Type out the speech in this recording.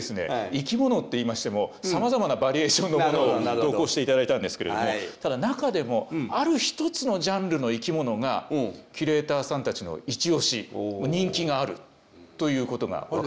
生きものっていいましてもさまざまなバリエーションのものを投稿して頂いたんですけれどもただ中でもある一つのジャンルの生きものがキュレーターさんたちのイチ推し人気があるということが分かりまして。